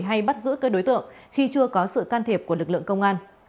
hay bắt giữ các đối tượng khi chưa có sự can thiệp của lực lượng công an